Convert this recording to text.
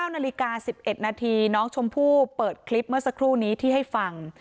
๙นาฬิกา๑๑นาทีน้องชมพู่เปิดคลิปเมื่อสักครู่นี้ที่ให้ฟัง